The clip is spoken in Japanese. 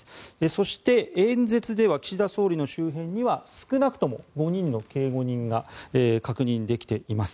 そして、演説では岸田総理の周辺には少なくとも５人の警護人が確認できています。